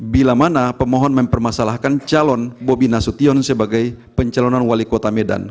bila mana pemohon mempermasalahkan calon bobi nasution sebagai pencalonan wali kota medan